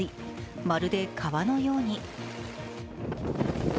まるで川のように。